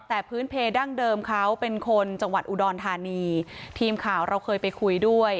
แต่พื้นเพดั้งเดิมเขาเป็นคนจังหวัดอุดรธานีทีมข่าวเราเคยไปคุยด้วย